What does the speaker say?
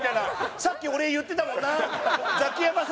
さっき俺言ってたもんな。